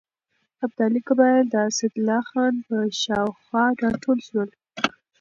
ابدالي قبایل د اسدالله خان پر شاوخوا راټول شول.